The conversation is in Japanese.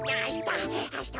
あした。